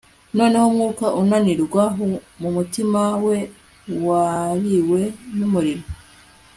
noneho umwuka unanirwa mumutima we wariwe numuriro